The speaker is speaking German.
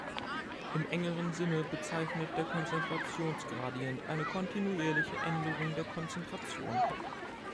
Im engeren Sinne bezeichnet der Konzentrationsgradient eine kontinuierliche Änderung der Konzentration.